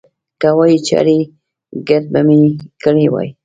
که وای، چارېګرد به مې کړی وای.